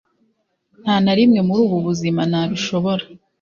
Nta na rimwe muri ubu buzima nabishobora